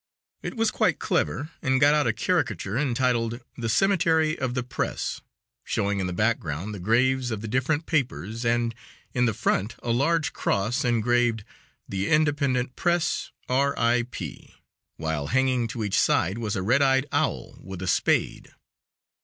It was quite clever and got out a caricature entitled: "The Cemetery of the Press," showing in the background the graves of the different papers, and in the front a large cross engraved, "The independent Press. R. I. P.," while hanging to each side was a red eyed owl with a spade.